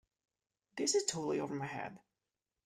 This is totally over my head.